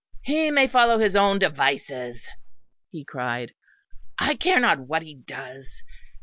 "He may follow his own devices," he cried. "I care not what he does.